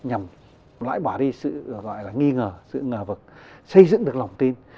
nhằm loại bỏ đi sự nghi ngờ sự ngờ vật xây dựng được lòng tin